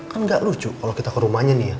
kan gak lucu kalau kita ke rumahnya nih ya